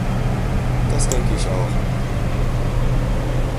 Das denke ich auch.